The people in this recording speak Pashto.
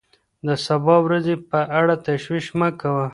د سبا ورځې په اړه تشویش مه کوه.